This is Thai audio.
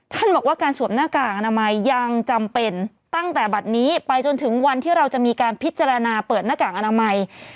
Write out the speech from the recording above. ท่านบอกว่าการสวมหน้ากากอนามัยยังจำเป็นตั้งแต่บัตรนี้ไปจนถึงวันที่เราจะมีการพิจารณาเปิดหน้ากากอนามัย